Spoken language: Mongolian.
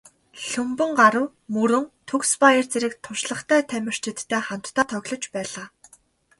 Лхүмбэнгарав, Мөрөн, Төгсбаяр зэрэг туршлагатай тамирчидтай хамтдаа тоглож байлаа.